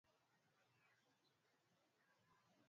Nilikununulia kitu.